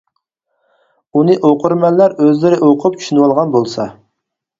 ئۇنى ئوقۇرمەنلەر ئۆزلىرى ئوقۇپ چۈشىۋالغان بولسا.